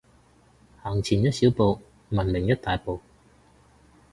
行前一小步，文明一大步